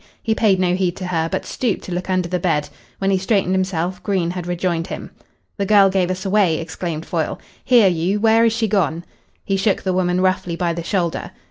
He paid no heed to her, but stooped to look under the bed. When he straightened himself Green had rejoined him. "The girl gave us away," exclaimed Foyle. "Here, you, where is she gone?" He shook the woman roughly by the shoulder.